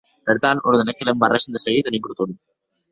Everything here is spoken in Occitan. Per tant, ordenèc que l’embarrèssen de seguit en un croton.